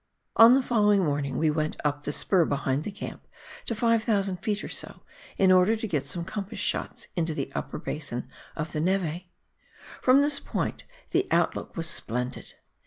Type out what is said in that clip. On the following morning we went up the spur behind the camp to 5,000 feet or so, in order to get some compass shots into the upper basin of the neve. From this point the out look was splendid.